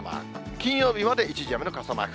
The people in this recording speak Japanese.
金曜日まで一時雨の傘マーク。